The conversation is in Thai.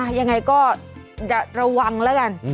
ยังไงก็ระวังแล้วกัน